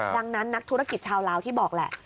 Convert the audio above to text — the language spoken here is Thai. ดังนั้นนักธุรกิจชาวลาวที่บอกแหละ